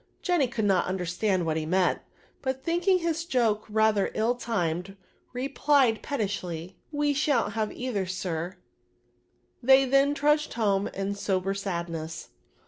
" Jenny could not understand what he meant, but thinking his joke rather ill timed, replied, pettishly, " We shan't hav 70 either, ax" They then truc^d home in sober sadness.